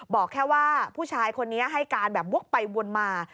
บอกแค่ว่าผู้ชายคนนี้ให้การแบบวกไปวนมา